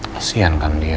kasian kan dia